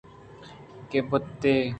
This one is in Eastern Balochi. کہ بُت ئِے